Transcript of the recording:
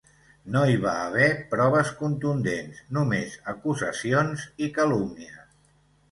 No hi va haver proves contundents, només acusacions i calúmnies.